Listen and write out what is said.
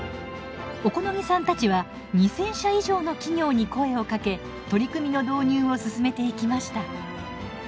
小此木さんたちは２，０００社以上の企業に声をかけ取り組みの導入を進めていきました。